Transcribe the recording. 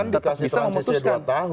tetap bisa memutuskan